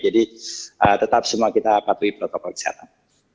jadi tetap semua kita patuhi protokol kesehatan